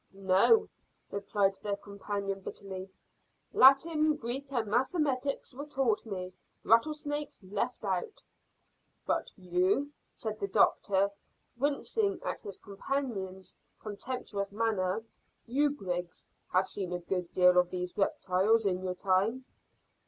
"No," replied their companion bitterly. "Latin, Greek, and mathematics were taught me, rattlesnakes left out." "But you," said the doctor, wincing at his companion's contemptuous manner, "you, Griggs, have seen a good deal of these reptiles in your time?"